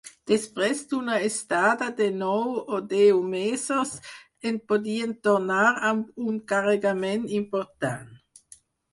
Després d'una estada de nou o deu mesos en podien tornar amb un carregament important.